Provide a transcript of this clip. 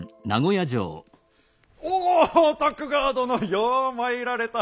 おお徳川殿ようまいられた。